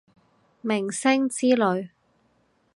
明星之類